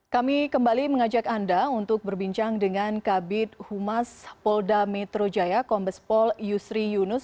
kami kembali mengajak anda untuk berbincang dengan kabit humas polda metro jaya kombespol yusri yunus